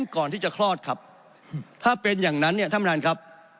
ก่อนที่จะคลอดครับถ้าเป็นอย่างนั้นเนี่ยท่านประธานครับ